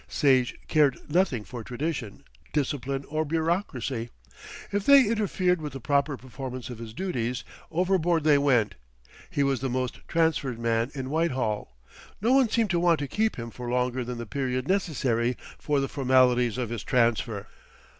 Sage cared nothing for tradition, discipline, or bureaucracy. If they interfered with the proper performance of his duties, overboard they went. He was the most transferred man in Whitehall. No one seemed to want to keep him for longer than the period necessary for the formalities of his transfer.